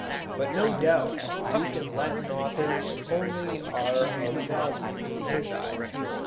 But no doubt Greek and Latin authors only are of value in his eyes.